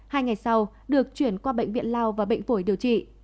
hai ngày sau được chuyển qua bệnh viện lao và bệnh phổi điều trị